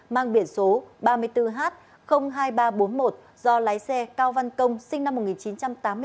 mang biển số ba mươi bốn h hai nghìn ba trăm bốn mươi một do lái xe cao văn công sinh năm một nghìn chín trăm tám mươi bốn